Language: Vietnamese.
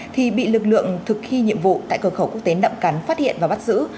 thì bị lực lượng thực thi nhiệm vụ tại cửa khẩu quốc tế nậm cắn phát hiện và bắt giữ